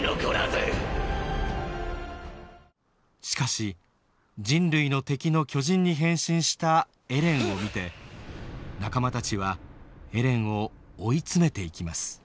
しかし人類の敵の巨人に変身したエレンを見て仲間たちはエレンを追い詰めていきます。